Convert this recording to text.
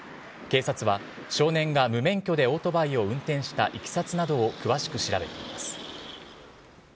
警察は少年が無免許でオートバイを運転したいきさつなどを詳しく調べています。